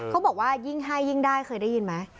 เขาบอกว่ายิ่งให้ยิ่งได้เคยได้ยินไหม